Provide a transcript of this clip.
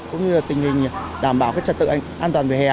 cũng như là tình hình đảm bảo trật tự an toàn về hè